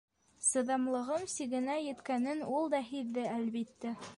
Сыҙамлығым сигенә еткәнен ул да һиҙҙе, әлбиттә.